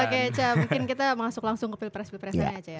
oke cak mungkin kita langsung masuk ke pilpres pilpresan aja ya